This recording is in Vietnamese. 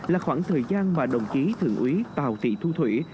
là khoảng thời gian mà đồng chí thượng úy tào thị thu thủy